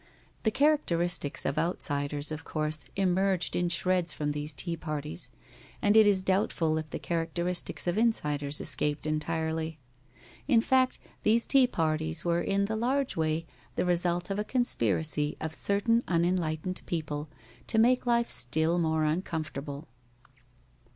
The characteristics of outsiders of course emerged in shreds from these tea parties, and it is doubtful if the characteristics of insiders escaped entirely. In fact, these tea parties were in the large way the result of a conspiracy of certain unenlightened people to make life still more uncomfortable.